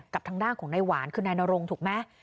กับทางด้านของนายหวานคือนายนรงถูกไหม